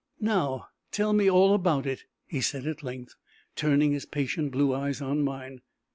"Now tell me all about it," he said at length, turning his patient blue eyes on mine.